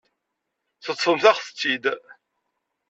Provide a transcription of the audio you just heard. Teṭṭfemt-aɣ-tt-id.